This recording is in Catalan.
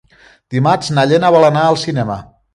Dimarts na Lena vol anar al cinema.